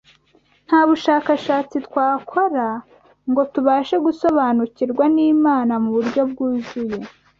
Nta bushakashatsi twakora ngo tubashe gusobanukirwa n’Imana mu buryo bwuzuye